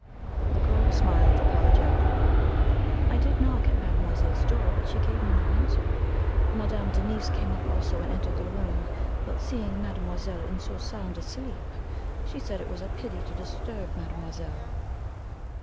The girl smiled apologetically. "I did knock at mademoiselle's door, but she gave me no answer. Madame Denise came up also, and entered the room; but seeing mademoiselle in so sound a sleep, she said it was a pity to disturb mademoiselle."